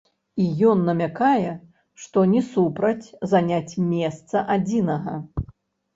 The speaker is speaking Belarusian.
І ён намякае, што не супраць заняць месца адзінага.